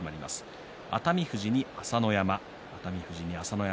熱海富士、朝乃山